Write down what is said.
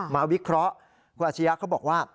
วิเคราะห์คุณอาชียะเขาบอกว่า